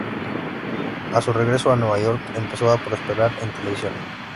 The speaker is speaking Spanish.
A su regreso a Nueva York empezó a prosperar en la televisión.